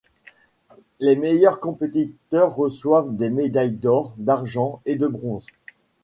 Les meilleurs compétiteurs reçoivent des médailles d'or, d'argent et de bronze.